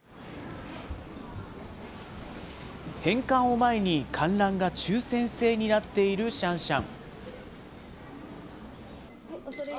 返還を前に観覧が抽せん制になっているシャンシャン。